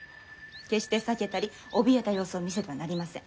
決して避けたりおびえた様子を見せてはなりません。